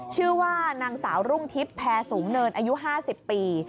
ชื่อว่านางสาวรุ่งทิพย์แพรสูงเนินอายุ๕๐ปี